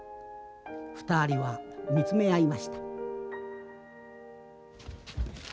２人は見つめ合いました」。